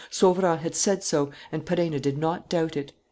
Sauverand had said so and Perenna did not doubt it.